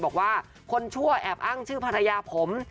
บอกว่าคนชั่วแอบอ้างชื่อภรรยาผม